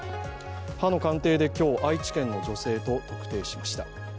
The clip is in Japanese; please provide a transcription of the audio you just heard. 歯の鑑定で今日、愛知県の女性と特定しました。